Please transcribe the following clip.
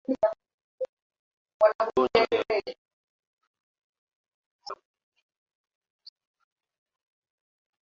magonjwa ya kieneo ambayo huathiri hasa ngombe kondoo mbuzi na ngamia